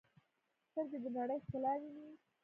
سترګې د نړۍ ښکلا ویني.